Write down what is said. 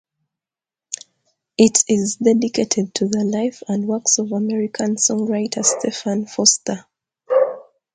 It is dedicated to the life and works of American songwriter Stephen Foster.